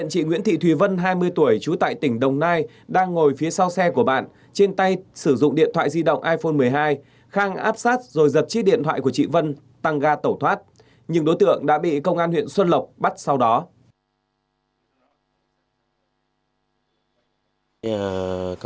chị nguyễn thị thùy vân hai mươi tuổi trú tại tỉnh đồng nai đang ngồi phía sau xe của bạn trên tay sử dụng điện thoại di động iphone một mươi hai khang áp sát rồi giật chiếc điện thoại của chị vân tăng ga tẩu thoát nhưng đối tượng đã bị công an huyện xuân lộc bắt sau đó